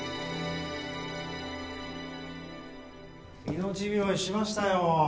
命拾いしましたよ。